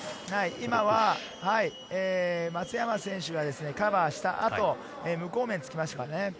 今は松山選手がカバーした後、無効面を突きましたからね。